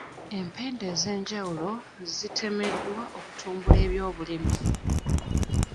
Empenda ez'enjawulo zitemeddwa okutumbula ebyobulimi.